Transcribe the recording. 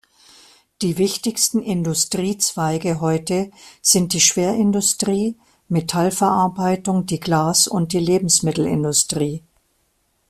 Die wichtigsten Industriezweige heute sind die Schwerindustrie, Metallverarbeitung, die Glas- und die Lebensmittelindustrie.